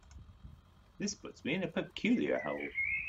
This puts me in a peculiar hole.